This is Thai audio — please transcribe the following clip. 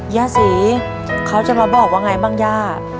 ย่าศรีเขาจะมาบอกว่าไงบ้างย่า